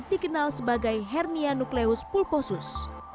dikenal sebagai hernia nukleus pulposus